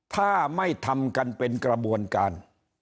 ถ้าไม่ทำกันเป็นกระบวนการ